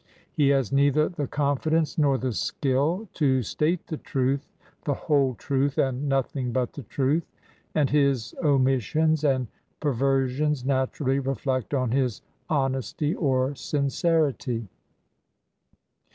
He has neither the confidence nor the skill to state the truth, the whole truth, and nothing but the truth, and his omissions and per versions naturally reflect on his honesty or sin cerity.